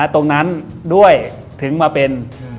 ตรงนั้นด้วยถึงมาเป็น